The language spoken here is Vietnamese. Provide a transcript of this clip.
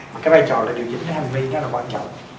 mà cái vai trò là điều chỉnh cái hành vi đó là quan trọng